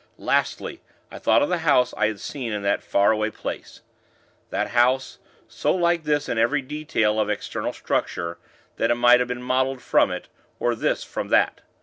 Lastly, I thought of the house I had seen in that far away place. That house, so like this in every detail of external structure, that it might have been modeled from it; or this from that.